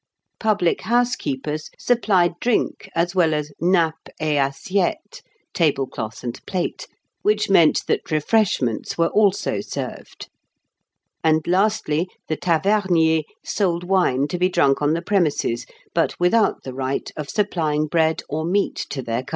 Publichouse keepers supplied drink as well as nappe et assiette (tablecloth and plate), which meant that refreshments were also served. And lastly, the taverniers sold wine to be drunk on the premises, but without the right of supplying bread or meat to their customers (Figs 108 and 109).